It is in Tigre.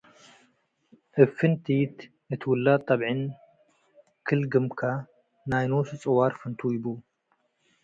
እብ ፍንቲት እት ውላድ ተብዕን ክል-ግምከ ናይ ኖሱ ጽዋር ፍንቱይ ቡ ።